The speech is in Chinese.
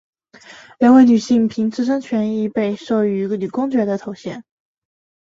两位女性凭自身权利被授予女公爵的头衔。